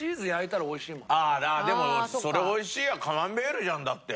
でもそれ美味しいのはカマンベールじゃんだって。